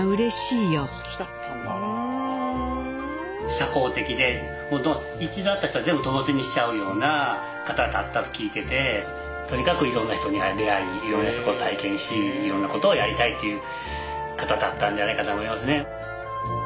社交的でもう一度会った人は全部友達にしちゃうような方だったと聞いててとにかくいろんな人に出会いいろんなことを体験しいろんなことをやりたいという方だったんじゃないかと思いますね。